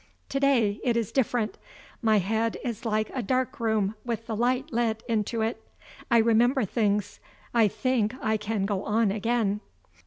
To day it is different. My head is like a dark room with the light let into it. I remember things; I think I can go on again.